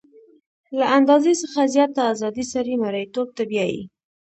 له اندازې څخه زیاته ازادي سړی مرییتوب ته بیايي.